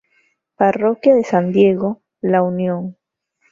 Parroquia de San Diego, La Unión.